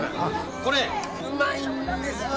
これうまいんですわ。